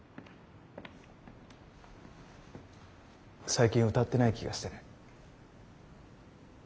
最近歌ってない気がしてね。